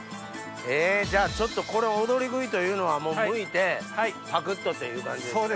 じゃあちょっとこの踊り食いというのはむいてパクっとっていう感じですね。